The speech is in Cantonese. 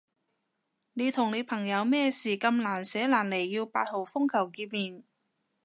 你同你朋友咩事咁難捨難離要八號風球見面？